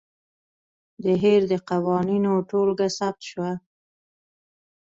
د هیر د قوانینو ټولګه ثبت شوه.